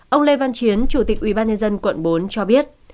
ông lê văn chiến chủ tịch ubnd quận bốn cho biết